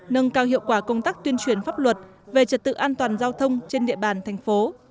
nâng cao hiệu quả công tác tuyên truyền pháp luật về trật tự an toàn giao thông trên địa bàn thành phố